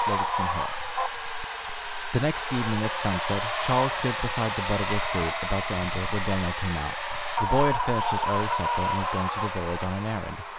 CHAPTER XXV The next evening at sunset Charles stood beside the Butterworth gate, about to enter, when Daniel came out. The boy had finished his early supper, and was going to the village on an errand.